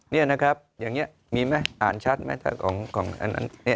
เนี้ยนะครับอย่างเงี้ยมีไหมอ่านชัดไหมถ้าของของอันนั้นเนี้ย